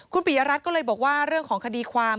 คุณปิยรัฐก็เลยบอกว่าเรื่องของคดีความ